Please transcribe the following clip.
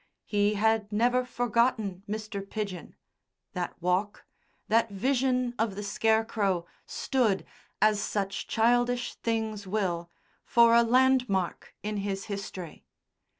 He had never forgotten Mr. Pidgen; that walk, that vision of the Scarecrow, stood, as such childish things will, for a landmark in his history.